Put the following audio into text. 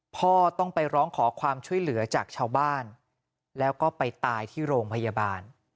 พ่อต้องไปร้องขอความช่วยเหลือจากชาวบ้านแล้วก็ไปตายที่โรงพยาบาล